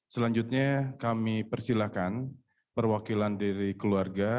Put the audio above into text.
selanjutnya kami persilahkan perwakilan dari keluarga